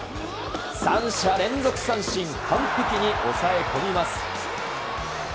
三者連続三振、完璧に抑え込みます。